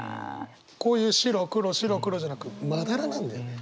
こういう白黒白黒じゃなく斑なんだよね。